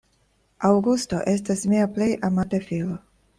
Aŭgusto estas mia plej amata filo.